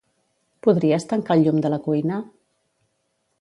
Podries tancar el llum de la cuina?